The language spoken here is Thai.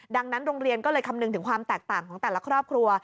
ดังนั้นโรงเรียนก็เลยคำนึงถึงความแตกต่างของแต่ละครอบครัว